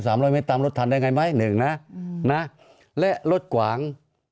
สามร้อยเมตตามรถทันได้ยังไงไหมหนึ่งนะงั้นและรถกว่าง